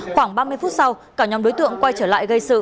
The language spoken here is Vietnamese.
khoảng ba mươi phút sau cả nhóm đối tượng quay trở lại gây sự